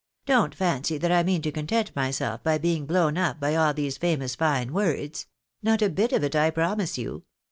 " Don't fancy that I mean to content my self by being blown up by all these famous fine words — not a bit of it, I promise you.